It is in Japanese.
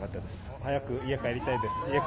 早く家に帰りたいです。